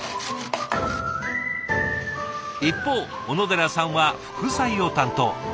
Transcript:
一方小野寺さんは副菜を担当。